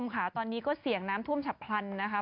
ค่ะตอนนี้ก็เสี่ยงน้ำท่วมฉับพลันนะคะ